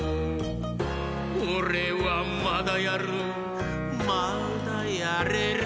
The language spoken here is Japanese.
「おれはまだやるまだやれる」